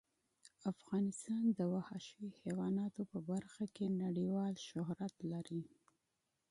افغانستان د وحشي حیواناتو په برخه کې نړیوال شهرت لري.